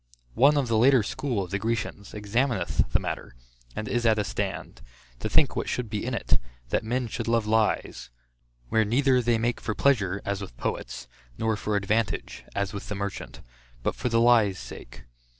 One of the later school of the Grecians, examineth the matter, and is at a stand, to think what should be in it, that men should love lies; where neither they make for pleasure, as with poets, nor for advantage, as with the merchant; but for the lie's sake.